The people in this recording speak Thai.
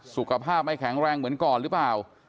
สุขภาพไม่แข็งแรงเหมือนก่อนหรือเปล่า